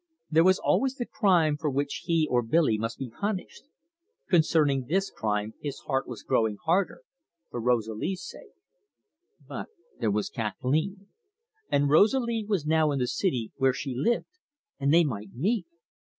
There was always the crime for which he or Billy must be punished. Concerning this crime his heart was growing harder for Rosalie's sake. But there was Kathleen and Rosalie was now in the city where she lived, and they might meet!